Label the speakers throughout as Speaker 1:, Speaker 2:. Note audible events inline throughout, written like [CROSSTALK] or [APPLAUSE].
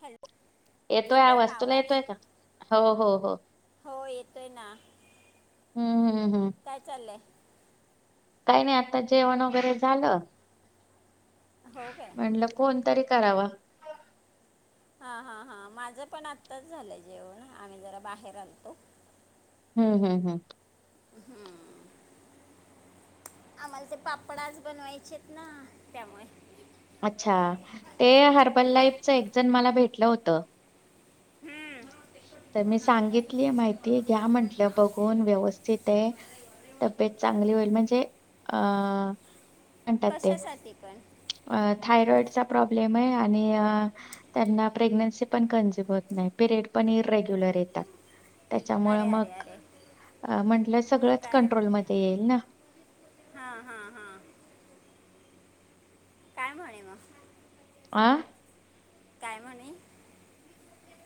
Speaker 1: Hello.
Speaker 2: येतोय आवाज तुला येतोय का हो हो हो.
Speaker 1: हो येतोय ना
Speaker 2: हम्म हम्म हम्म
Speaker 1: काय चाललंय.
Speaker 2: काही नाही आता जेवण वगैरे झालं.
Speaker 1: हो काय
Speaker 2: म्हणलं कोणतरी करावा.
Speaker 1: हा हा हा माझं पण आत्ताच झालंय, जेवण आम्ही जरा बाहेर आलतो.
Speaker 2: हम्म हम्म हम्.
Speaker 1: हम्म. आम्हाला ते पापडाच बनवायचेत ना त्यामुळे.
Speaker 2: अच्छा ते हर्बल लाईफच एक जण मला भेटलं होतं.
Speaker 1: हम्म.
Speaker 2: तर मी सांगितलीय माहिती घ्या म्हंटलं बघून व्यवस्थित आहे. तब्येत चांगली होईल म्हणजे अं म्हणतात ते
Speaker 1: कशासाठी पण
Speaker 2: अ थायरॉइड. प् त्यां प्रे्ी पण कत नाहीड [UNINTELLIGIBLE] पण इरेग्युलर येतात. त्याच्यामु
Speaker 1: अरे अरे
Speaker 2: मग
Speaker 1: अरे
Speaker 2: म्हंटलं, सगळंच कंट्रोलमध्येध्ये येईल ना.
Speaker 1: हा हा हा. काय म्हणे मग.
Speaker 2: आं.
Speaker 1: काय म्हणे.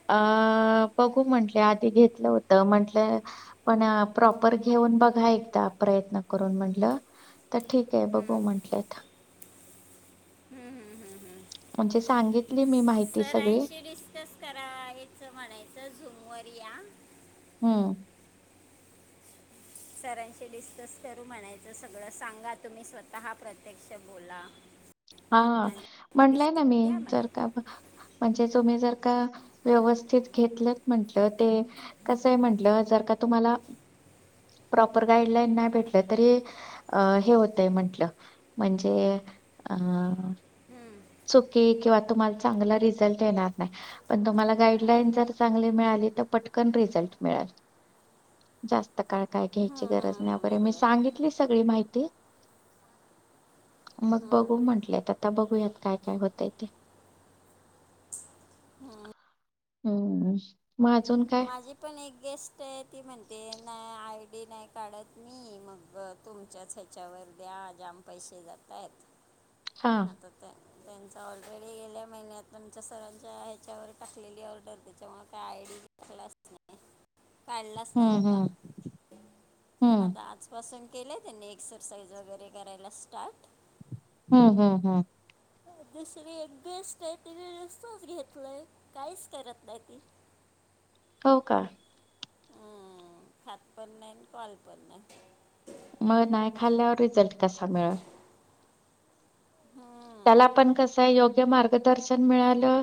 Speaker 2: अ बघू म्हटल्या आधी घेतलं होत, म्हटलं पण प्रॉपर घ बघा एकदा प्रयत्न करून म्हंटलं तर ठीक आहे बघू म्हंटलेत..
Speaker 1: हम्म हम हम्म हम्.
Speaker 2: म्हणजे सांगित.
Speaker 1: सरांशी डिस्कस करायचं म्हणायचं झूम वर या.
Speaker 2: हम्म.
Speaker 1: सरांशी डिस्कस करू म्हणायच, सगळं सांगा तुम्ही स्वतः प्रत्यक्ष बोला.
Speaker 2: हा
Speaker 1: आणि
Speaker 2: म्हटलंय ना मी
Speaker 1: डिसिजन घ्या म्हणे
Speaker 2: जर का म्हणजे तुम्ही जर का व्यवस्थित घेतलंत म्हंटल ते कस म्हंटल जर का तुम्हाला प्रॉपर गाईडलाईन नाही भेटलं तरी अ हे होतय म्हंटलं म्हणजे हा
Speaker 1: हम्म.
Speaker 2: एस ओके किवा तुम्हाला चांगल रिझल्ट येणार नाही पण तुम्हाला गाइडलाइन [UNINTELLIGIBLE] मिळाले तर पटकन रिजल्ट मिळेल जास्त काळ काय
Speaker 1: हम्म,
Speaker 2: घ्यायची गरज
Speaker 1: हम्म, हम्म,
Speaker 2: नाहीरे मी
Speaker 1: बरोबर
Speaker 2: सांगितली सगळी माहिती मग
Speaker 1: हम्म.
Speaker 2: बघू म्हटलेय आता बघूयात काय काय होतय ते
Speaker 1: हम्म
Speaker 2: हम्म मग अजून काय
Speaker 1: माझी पण एक गेस्ट आहे ती म्हणते नाही आय डी नाही काढत मी मग तुमच्याच ह्याच्यावर द्या द्या पैसे जातायत
Speaker 2: हा
Speaker 1: त्यांचा ऑलरेडी गेल्या महिन्यात आमच्या सरांच्या ह्याच्यावर टाकलेली ऑर्डर त्याच्यामु काय आयडी क्लासने काढलाच
Speaker 2: हम्म
Speaker 1: नव्हता
Speaker 2: हम्म हम्म
Speaker 1: आता आजपासून केलंय त्यांनी एक्सरसाईज वगैरे करायला स्टार्ट
Speaker 2: हम्म हम्म हम्म
Speaker 1: दुसरी एक गोष्ट आहे तिने रस्तच घेतलंय काहीच करत नाही ती
Speaker 2: हो का
Speaker 1: हम्म खात पण नाही कॉल पण नाही
Speaker 2: मग नाही खाल्ल्यावर रिझल्ट कसा मिळेल
Speaker 1: हा
Speaker 2: त्याला पण कस योग्य मार्गदर्शन मिळालं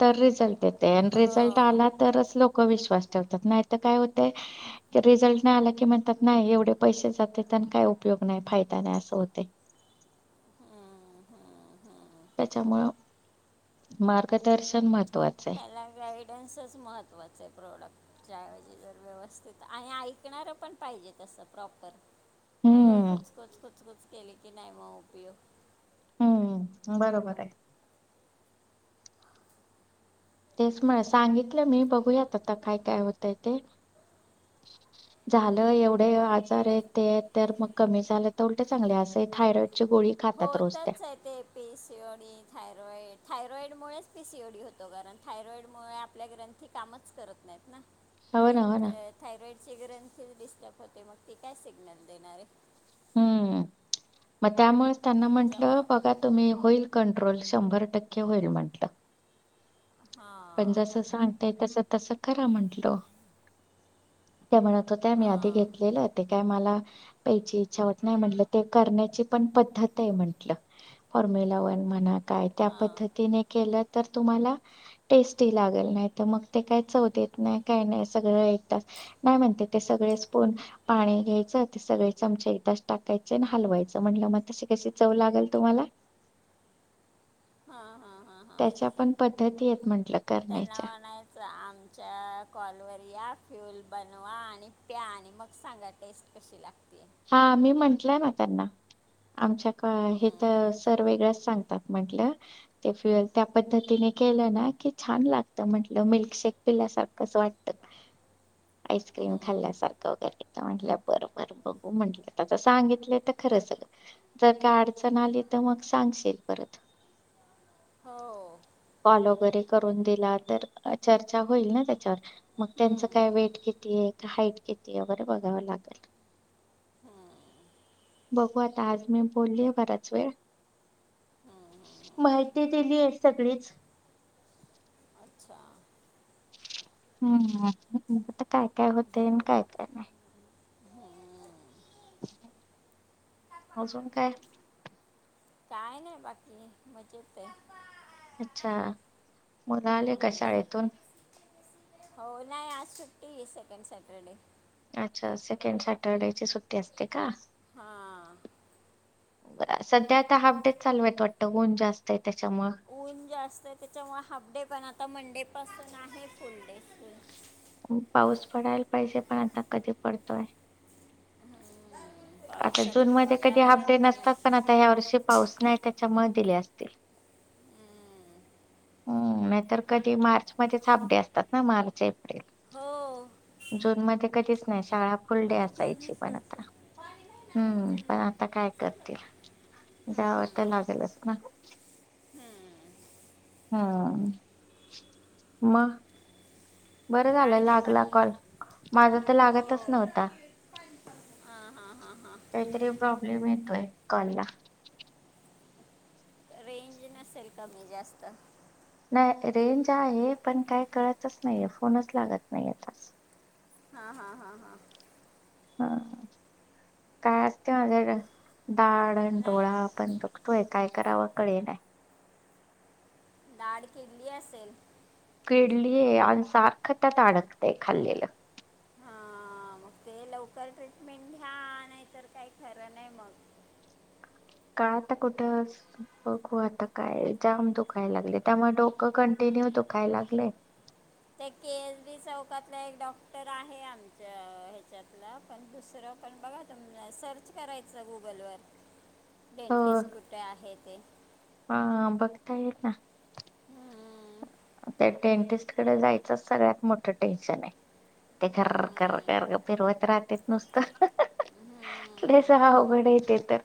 Speaker 2: तर रिझल्ट न रिझल्ट
Speaker 1: हो
Speaker 2: आला तरच लोक विश्वास ठेवतात नाहीतर काय होतय की आता रिझल्ट नाही आला की म्हनतात नय एवढे [UNINTELLIGIBLE] ग नाही फायदा नाही असं होते
Speaker 1: हम्म, हम्म, हम्म.
Speaker 2: त्याच्यामुळ मार्गदर्शन म
Speaker 1: अला ग - [UNINTELLIGIBLE] महत्त्वाचं आहे प्रॉडक्टच्याऐवजी जर व्यवस्थित आणि ऐकणारं पण पाहिजे तसं प्रॉपर
Speaker 2: हम्म
Speaker 1: कचकच कचकच केली की नाही मग उपयोग
Speaker 2: बरोबर आहे तेच म्हणा सांगितलं मी बघूयात आता काय काय होतय ते
Speaker 1: हम्म,
Speaker 2: झालं
Speaker 1: हम्म,
Speaker 2: एवढे
Speaker 1: हम्म,
Speaker 2: आजार आहेत ते तर मग कमी झालं तर उलट चांगले असं थायरॉइडची गोळी खातात रोज त्या
Speaker 1: होतच आहे ते पी सिओडी थायरॉइड थायरॉइडमुळेच पीसीओडी होतो कारण थायरॉइड मुळ आपल्या ग्रंथी कामच करत नाहीत ना
Speaker 2: हो ना
Speaker 1: मेन
Speaker 2: हो ना
Speaker 1: थायरॉइड चे ग्रंथी डिस्टर्ब होते मग ती काय सिग्नल देणारे
Speaker 2: हम्म मग त्यामुळे त्यांना म्हंटलं
Speaker 1: त्याच्यामुळं
Speaker 2: बघा तुम्ही होईल कं पेट्रोल शंभर टक्के होईल म्हंटलं पण
Speaker 1: हां
Speaker 2: जस सांगताय तस तस खरा म्हंटलो त्या म्हणत होत्या मी आधी
Speaker 1: हां
Speaker 2: घेतलेलं ते काय मला प्यायची इच्छा होत नाही म्हटलं ते करण्याची पण पद्धत आहे म्हंटलं फॉर्म्युला वन म्हणा काय त्या
Speaker 1: हां
Speaker 2: पद्धतीने केलं तर तुम्हाला टेस्टी लागल नाही तर मग ते काय चव देत नाही काय नाही सगळं एक त नाही म्हणते ते सगळेच पोण पाणी घ्यायचं ते सगळे चमचे इथच टाकायचे आणि हलवायचं म्हणज [UNINTELLIGIBLE] तशी कशी चव लागल तुम्हाला
Speaker 1: [INAUDIBLE] हां हां हां
Speaker 2: त्याच्या पण पद्धती आहेत म्हण.
Speaker 1: त्यांना म्हणायच आमच्या कॉलवर या. [UNINTELLIGIBLE] बनवा आणि प्या आणि मग सांगा टेस्ट कशी लागते.
Speaker 2: हा मी म्हंटलंय ना त्यांना आमच्या का हे तर सर वेगळच सांगतात म्हंटलं ते [UNINTELLIGIBLE] त्या पद्धतीने केलं ना की छान लागत म्हंटल मिल्कशेक पिल्यासारखच वाटत. आईस्क्रीम खाल्ल्यासारखं [UNINTELLIGIBLE] म्हटल्या बरोबर पप्पा म्हटल्यात आता सांगितलं तर खरंच जर का अडचण आली तर मग सांगशील परत
Speaker 1: [INAUDIBLE] हम्म,
Speaker 2: कॉल वगैरे करून दिला तर चर्चा होईल ना त्याच्यावर मग त्यांचं
Speaker 1: हम्म,
Speaker 2: काय वेट किती आहे हाईट किती आहे वगैरे बघावं लागेल. बघू आता आज मी बोलली हे बराच वेळ
Speaker 1: हम्म.
Speaker 2: माहिती दिली आहे सगळीच
Speaker 1: अच्छा
Speaker 2: हम्म आता बघू काय काय होतय
Speaker 1: बघू
Speaker 2: आणि काय काय नाही.
Speaker 1: हम्म.
Speaker 2: अजून काय
Speaker 1: काय नाही बाकी मजेत हे.
Speaker 2: अच्छा मुल आले का
Speaker 1: हम्म.
Speaker 2: शाळेतून?
Speaker 1: हो नाही आज सुट्टी सेकंड सॅटरडे
Speaker 2: अच्छा सेकंड सॅटर्डेची सुट्टी असते का?
Speaker 1: हा.
Speaker 2: ब सध्या आता हाफ डे चालू आहेत वाटतं ऊन जास्त आहे तेच्यामुळ
Speaker 1: ऊन जास्त आहे तेच्यामुळ हाफ डे पण आता मंडेपासून आहे फुल डे फुल
Speaker 2: खूप पाऊस पडायला पाहिजे पण आता कधी पडतोय. आता जून
Speaker 1: पावसाचं तर
Speaker 2: मध्ये कधी हाफ
Speaker 1: वातावरण
Speaker 2: डे
Speaker 1: नाही
Speaker 2: नसतात पण आता ह्या वर्षी पाऊस नाही तेच्यामुळ दिले असतील.
Speaker 1: हम्म.
Speaker 2: हम नाहीतर कधी मार्च मध्येच हाफ डे असतात ना मार्च एप्रिल
Speaker 1: हो
Speaker 2: जून मध्ये कधीच नाही शाळा फुल डे असायची
Speaker 1: कधीच
Speaker 2: पण आता
Speaker 1: असं
Speaker 2: हम्म पण आता काय करत.
Speaker 1: हम्म,
Speaker 2: जाव
Speaker 1: हम्म,
Speaker 2: त
Speaker 1: हम्म.
Speaker 2: लागलच ना?
Speaker 1: हम्म.
Speaker 2: हम् म बरं झालं
Speaker 1: काय नाही
Speaker 2: लागला
Speaker 1: बाकी
Speaker 2: कॉल. माझा तर
Speaker 1: हो
Speaker 2: लागतच नव्हता.
Speaker 1: हां हां हां हां
Speaker 2: काहीतरी प्रॉब्लेम येतोय कॉलला.
Speaker 1: रेंज नसेल कमी जास्त
Speaker 2: नाही रेंज आहे पण काय कळतच नाहीेहे फोनच लागत नाही आताच
Speaker 1: हा, हा, हा, हा
Speaker 2: हा काय असते माझ्याकड दाडण डोळा
Speaker 1: नाही
Speaker 2: आपण बघतोय काय कराव कळेनाय
Speaker 1: दाड किडली असेल.
Speaker 2: किडलीय आणि सारखं त्यात आडकतंय खाल्लेलं.
Speaker 1: हां मग ते लवकर ट्रीटमेंट घ्या नाहीतर काही खरं नाही म
Speaker 2: का आता कुठंच बघू आता काय जाम दुखाय लागलय त्यामुळ डोकं कंटिन्यू दुखाय लागलय.
Speaker 1: ते के. एस. बी चौकातल एक डॉक्टर आहे आमच्या ह्याच्यातला पण दुसरं पण बघा तुम्ही सर्च करायचं गुगल वर.
Speaker 2: हो
Speaker 1: डेंटिस्ट कुठे आहे ते
Speaker 2: ताई आहेत ना.
Speaker 1: हम्म,
Speaker 2: त्या डेंटिस्ट कडे जायचंच सगळ्यात मोठं टेन्शन आहे. ते खरर खरर
Speaker 1: हम्म,
Speaker 2: खर फिरवत राहतेेत नुसतं.
Speaker 1: हम्म.
Speaker 2: [UNINTELLIGIBLE] अवघड ये ते तर.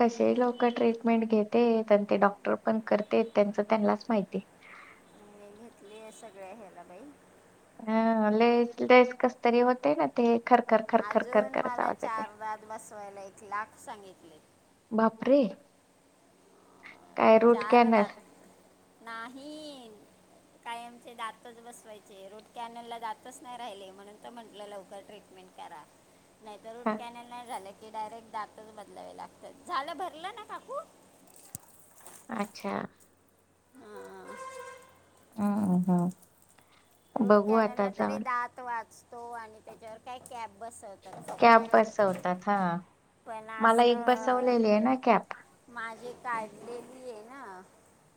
Speaker 2: कशे लोकं ट्रीटमेंट घेतेत अन् ते डॉक्टर पण करतेत त्यांच त्यांनलाच माहित.
Speaker 1: [UNINTELLIGIBLE] सगळ्या ह्याला बाई.
Speaker 2: हा लो लेस लेस कस तरी होते ना ते खर
Speaker 1: अजून मला चार दात बसवायला एक लाख सांगितले.
Speaker 2: [UNINTELLIGIBLE]
Speaker 1: अं, चार
Speaker 2: कॅनल
Speaker 1: दात नाही. काय आमचे दातच बसवायचे रुट कॅनल ला दातच नाही राहिले म्हणून त म्हटलं लवकर ट्री [UNINTELLIGIBLE] करा नाही तर
Speaker 2: हा
Speaker 1: रूट कॅनल नाही झाल. की डायरेक्ट दातच बदलावे लागतात झालं भरलं ना काकू.
Speaker 2: अच्छा.
Speaker 1: हां.
Speaker 2: हं हां.
Speaker 1: रूट कॅनल ला तरी दात वाचतो आणि त्याच्यावर काय कॅप बसव
Speaker 2: कॅप बसवतात हां
Speaker 1: पण
Speaker 2: मला एक
Speaker 1: असं
Speaker 2: बसवलेली आहे ना कॅप.
Speaker 1: माझी काढलेली ये ना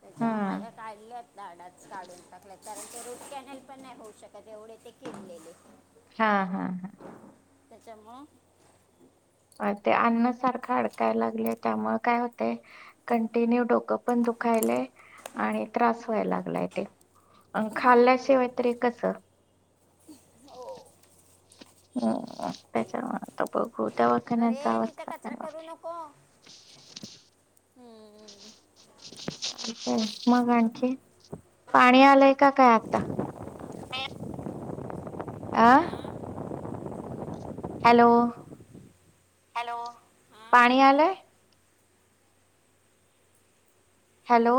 Speaker 1: त्याच्या
Speaker 2: हा
Speaker 1: म माझ्या काढल्यात दाडाचं काढून टाकल्यात. कारण ते रूट कॅनल पण नाही होऊ शकत एवढे ते किडलेले.
Speaker 2: हां हा हा.
Speaker 1: त्याच्यामुळं.
Speaker 2: अ ते अन्न सारखं अडकायला लागले त्यामुळे काय होते कंटिन्यू डोकं पण दु खायले. आणि त्रास व्हायला लागलाय ते अ खाल्ल्याशिवाय
Speaker 1: हम्म,
Speaker 2: तरी कस...
Speaker 1: हो.
Speaker 2: हो त्याच्या...
Speaker 1: अरे तिथं कचरा करू नको
Speaker 2: [UNINTELLIGIBLE]
Speaker 1: हम्म.
Speaker 2: काय मग आणखी पाणी आलंय का काय आत्ता. आह. हॅलो.
Speaker 1: हॅलो. हा
Speaker 2: पाणी
Speaker 1: हॅलो
Speaker 2: आलंय. हॅलो.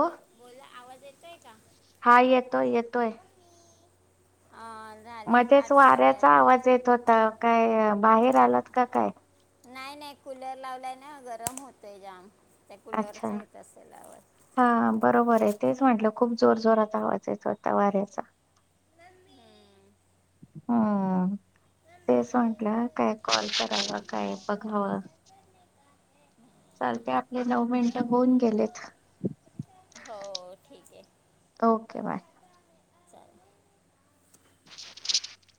Speaker 1: येतय का?
Speaker 2: हा येतोय येतोय.
Speaker 1: हा, झालेत
Speaker 2: मधेच
Speaker 1: आठ
Speaker 2: वाऱ्याचा
Speaker 1: साडेआठ
Speaker 2: आवाज येत होता काय बाहेर आलात का काय?
Speaker 1: नाई नाही कूलर लावलाय ना गरम होतोय जाम. त्या
Speaker 2: अच्छा
Speaker 1: कूलरचा येत असेल आवाज
Speaker 2: हा बरोबर आहे तेच म्हटलं. खूप जोर जोरात आवाज येत होता वाऱ्याचा.
Speaker 1: [INAUDIBLE]
Speaker 2: हां. तेच म्हटलं काय कॉल कराव काय बघावं. चालते आपले नऊ मिनिटं होऊन गेलेत.
Speaker 1: हो ठीक आहे
Speaker 2: ओके बाय.
Speaker 1: चालेल
Speaker 2: [UNINTELLIGIBLE]